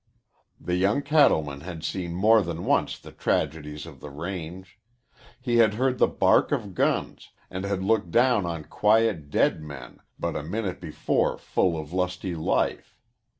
The young cattleman had seen more than once the tragedies of the range. He had heard the bark of guns and had looked down on quiet dead men but a minute before full of lusty life.